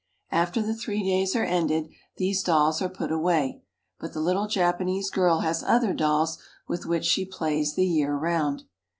After the three days are ended, these dolls are put away; but the little Japanese girl has other dolls with which she plays the year round.